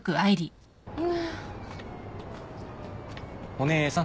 お姉さん。